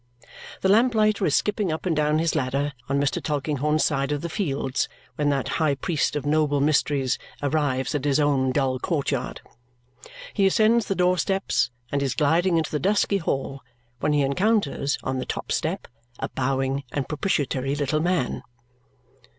The lamplighter is skipping up and down his ladder on Mr. Tulkinghorn's side of the Fields when that high priest of noble mysteries arrives at his own dull court yard. He ascends the door steps and is gliding into the dusky hall when he encounters, on the top step, a bowing and propitiatory little man.